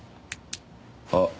あっ。